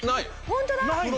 ホントだ！